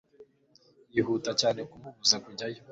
yihuta cyane kumubuza kujyayo